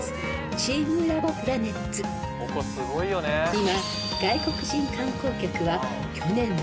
［今］